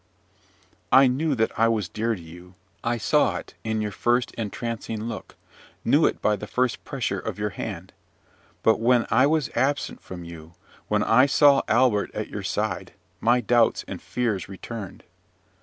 "I knew that I was dear to you; I saw it in your first entrancing look, knew it by the first pressure of your hand; but when I was absent from you, when I saw Albert at your side, my doubts and fears returned.